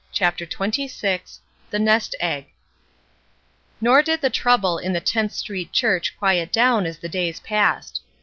CHAPTER XXVI THE ''nest egg'' I^OR did the trouble in the 10th Street Church L ^ quiet down as the days passed.